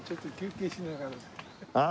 ああ